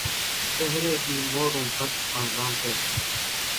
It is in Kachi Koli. پۿري ۮي مورون ڀت پڻ رانڌي سي